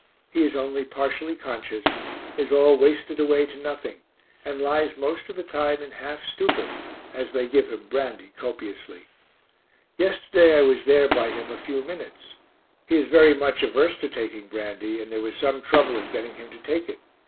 He is only partially conscious, is all wasted away to nothing, and lies most of the time in half stupor, as they give him brandy copiously. Yesterday I was there by him a few minutes. He is very much averse to taking brandy, and there was some trouble in getting him to take it.